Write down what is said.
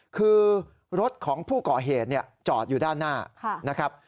คือรถของผู้ก่อเหตุจอดอยู่ด้านหน้านะครับ